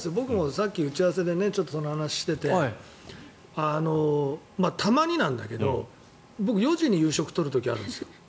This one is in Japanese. さっき打ち合わせでその話をしていてたまになんだけど僕、４時に夕食を取る時があるんです。